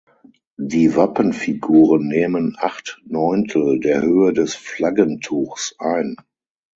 Die Wappenfiguren nehmen acht Neuntel der Höhe des Flaggentuchs ein.